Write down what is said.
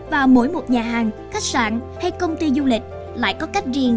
và mỗi một nhà hàng khách sạn hay công ty du lịch lại có cách riêng